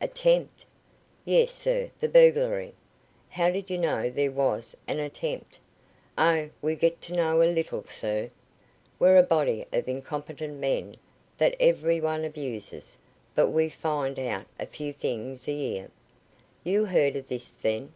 "Attempt?" "Yes, sir; the burglary." "How did you know there was an attempt?" "Oh, we get to know a little, sir. We're a body of incompetent men that every one abuses, but we find out a few things a year." "You heard of this, then?"